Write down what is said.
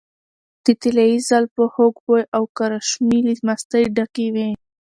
د طلايي زلفو خوږ بوي او کرشمې له مستۍ ډکې وې .